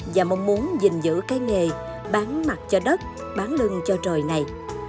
và mong muốn giữ cái nghề bán mặt cho đất bán lưng cho trời này